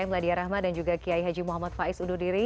meladia rahma dan juga kiai haji muhammad faiz undur diri